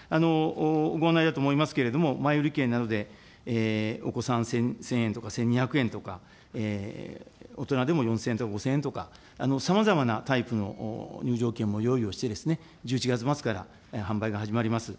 ご案内だと思いますけれども、前売券などでお子さん１０００円とか１２００円とか、大人でも４０００円とか５０００円とか、さまざまなタイプの入場券も用意をして、１１月末から販売が始まります。